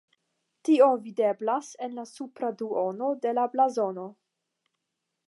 Tio videblas en la supra duono de la blazono.